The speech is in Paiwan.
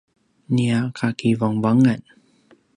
nia kakivangavangan